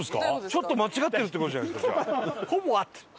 ちょっと間違ってるって事じゃないですかじゃあ。